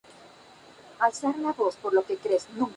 Jesús Reyes Ruiz y que fue una de sus maestras más queridas.